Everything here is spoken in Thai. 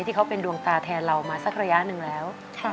ที่เขาเป็นดวงตาแทนเรามาสักระยะหนึ่งแล้ว